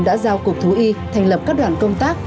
đã giao cục thú y thành lập các đoàn công tác